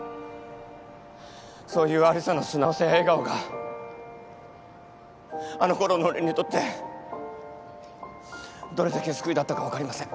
そういう有沙の素直さや笑顔があのころの俺にとってどれだけ救いだったか分かりません。